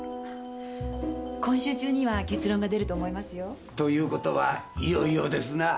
今週中には結論が出ると思いますよ。ということはいよいよですな。